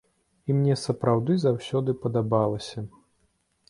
І мне сапраўды заўсёды падабалася.